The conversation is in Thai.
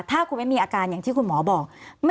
ถ้าคุณไม่มีอาการอย่างที่คุณหมอบอก